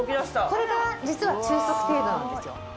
これが実は中速程度なんですよ。